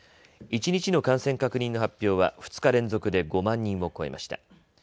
一日の感染確認の発表は２日連続で５万人を超えました。